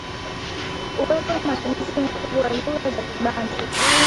Uwepo wa matumizi makubwa wa lugha za kibantu